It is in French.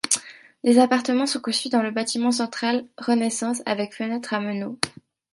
Des appartements sont conçus dans le bâtiment central renaissance, avec fenêtres à meneaux.